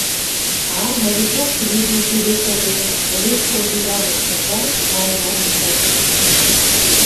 — А-а, новичок прибыл, — пелештӓ тӹдӹ, вӹлецшӹ одеялжым шӓргӓлеш, вара ялжым сӓкен шӹнзеш.